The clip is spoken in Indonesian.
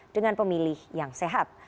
dengan pemilih yang sehat